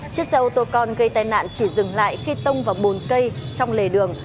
chiếc xe ô tô con gây tai nạn chỉ dừng lại khi tông vào bồn cây trong lề đường